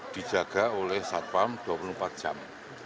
dijaga oleh satpam dua puluh empat jam